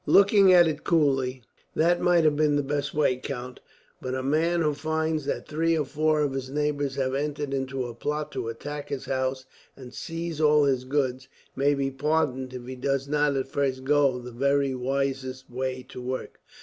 "Looking at it coolly, that might have been the best way, count; but a man who finds that three or four of his neighbours have entered into a plot to attack his house, and seize all his goods, may be pardoned if he does not at first go the very wisest way to work."